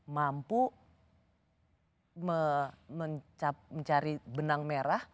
mampu mencari benang merah